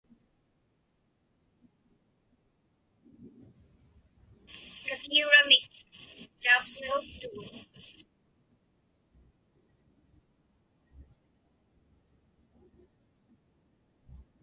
Kakiuramik tauqsiġuktuguk.